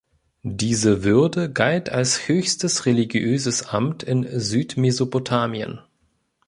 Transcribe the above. Diese Würde galt als höchstes religiöses Amt in Südmesopotamien.